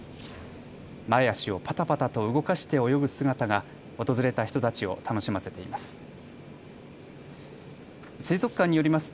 前足をパタパタと動かして泳ぐ姿が訪れた人たちを楽しませています。